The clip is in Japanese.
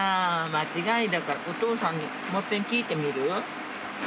間違いだからお父さんにもういっぺん聞いてみる？